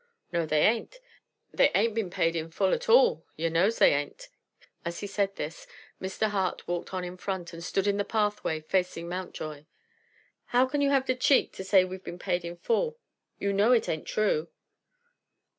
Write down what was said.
"No, they ain't; they ain't been paid in full at all; you knows they ain't." As he said this, Mr. Hart walked on in front, and stood in the pathway, facing Mountjoy. "How can you 'ave the cheek to say we've been paid in full? You know it ain't true."